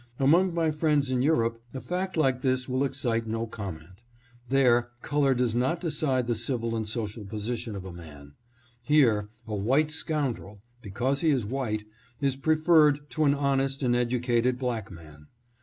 Among my friends in Europe, a fact like this will excite no comment. There, color does not decide the civil and social position of a man. Here, a white scoundrel, be cause he is white, is preferred to an honest and educated black man.